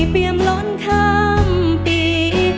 เปรียบล้นคำปี